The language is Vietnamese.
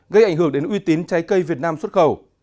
gây ảnh hưởng đến uy tín trái cây việt nam xuất khẩu